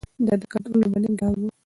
دا د کنټرول لومړنی ګام وي.